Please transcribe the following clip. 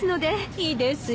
いいですよ。